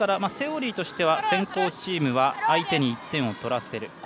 セオリーとしては先攻チームは相手に１点を取らせる。